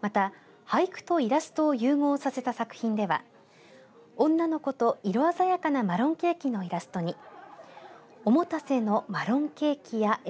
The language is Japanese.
また俳句とイラストを融合させた作品では女の子と色鮮やかなマロンケーキのイラストにお持たせのマロンケーキや笑